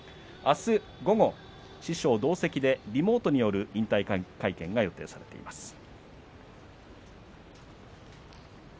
あすの午後、師匠同席でリモートによる引退会見が予定されています。